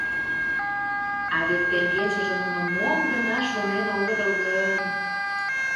А вет теҥгечыже нуно мом гына шонен огытыл гын!